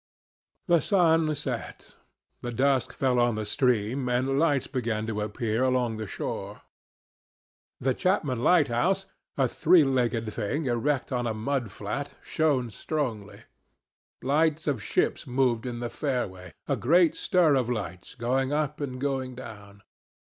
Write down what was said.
The sun set; the dusk fell on the stream, and lights began to appear along the shore. The Chapman lighthouse, a three legged thing erect on a mud flat, shone strongly. Lights of ships moved in the fairway a great stir of lights going up and going down.